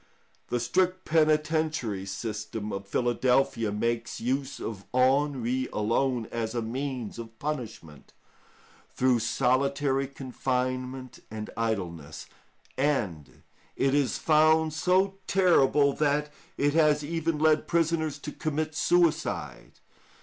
The strict penitentiary system of Philadelphia makes use of ennui alone as a means of punishment, through solitary confinement and idleness, and it is found so terrible that it has even led prisoners to commit suicide.